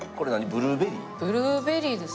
ブルーベリーですね。